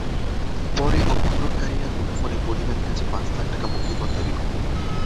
পরে অপহরণকারীরা মুঠোফোনে পরিবারের কাছে পাঁচ লাখ টাকা মুক্তিপণ দাবি করে।